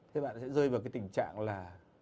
thế bạn sẽ rơi vào cái tình trạng là